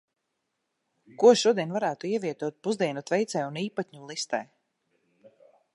Ko šodien varētu ievietot Pusdienu tveicē un Īpatņu listē.